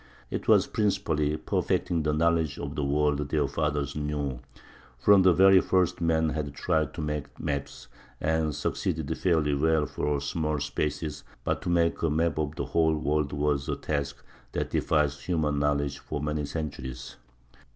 It was principally perfecting the knowledge of the world their fathers knew. From the very first men had tried to make maps, and succeeded fairly well for small spaces; but to make a map of the whole world was a task that defied human knowledge for many centuries.